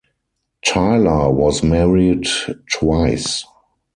Tyler was married twice.